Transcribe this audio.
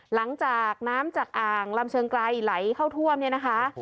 หลังจากน้ำจากอ่างลำเชิงไกลไหลเข้าท่วมเนี่ยนะคะ